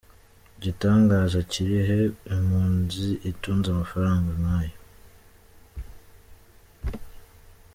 Igitangaza kiri he impunzi itunze amafaranga nkayo ?